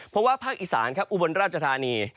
เพราะว่าภาคอิสานอุวบนราชทานี